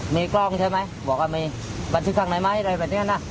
มีกล้องใช่ไหมบอกว่ามีบันทึกข้างในไหมอะไรแบบนี้นะ